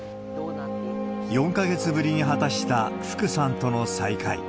４か月ぶりに果たした、福さんとの再会。